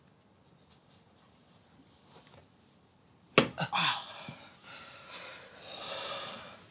あっ。